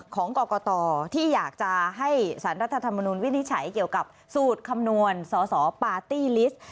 ของกรกตที่อยากจะให้สารรัฐธรรมนุนวินิจฉัยเกี่ยวกับสูตรคำนวณสอสอปาร์ตี้ลิสต์